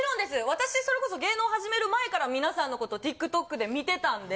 私それこそ芸能始める前からみなさんのことＴｉｋＴｏｋで見てたんで。